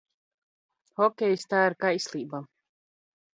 Hokejs - t? ir kaisl?ba!